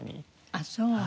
あっそう。